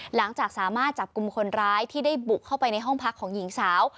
หลังจากสามารถจับกลุ่มคนร้ายที่ได้บุกเข้าไปในห้องพักของหญิงสาว